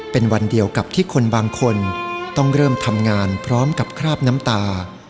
เป็นวันเดียวกับที่คนบางคนต้องเริ่มทำงานพร้อมกับคราบน้ำตา